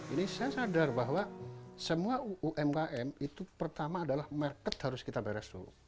ini saya sadar bahwa semua umkm itu pertama adalah market harus kita beres dulu